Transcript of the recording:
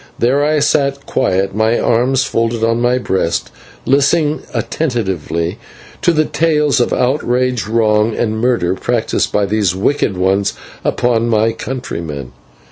There I sat quiet, my arms folded on my breast, listening attentively to the tales of outrage, wrong, and murder practised by these wicked ones upon my countrymen.